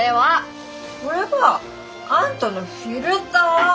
それはあんたのフィルター！